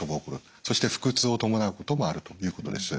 そして腹痛を伴うこともあるということです。